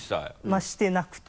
まぁしてなくて。